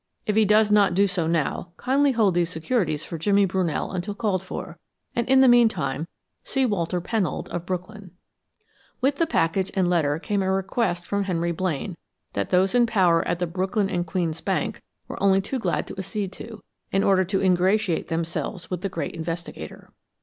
If he does not do so now, kindly hold these securities for Jimmy Brunell until called for, and in the meantime see Walter Pennold of Brooklyn. With the package and letter came a request from Henry Blaine which those in power at the Brooklyn & Queens Bank were only too glad to accede to, in order to ingratiate themselves with the great investigator.